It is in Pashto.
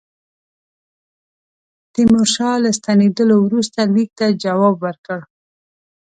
تیمورشاه له ستنېدلو وروسته لیک ته جواب ورکړ.